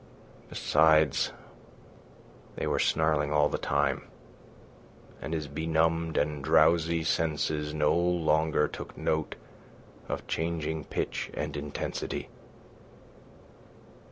Besides, they were snarling all the time, and his benumbed and drowsy senses no longer took note of changing pitch and intensity.